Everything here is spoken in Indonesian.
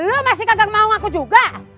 lo masih kagak mau ngaku juga